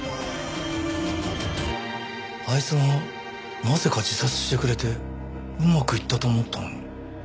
あいつがなぜか自殺してくれてうまくいったと思ったのに。